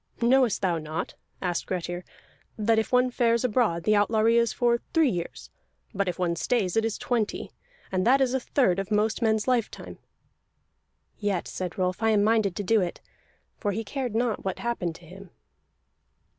"Knowest thou not," asked Grettir, "that if one fares abroad the outlawry is for three years, but if one stays it is twenty? And that is a third of most men's lifetime." "Yet," said Rolf, "I am minded to do it." For he cared not what happened to him.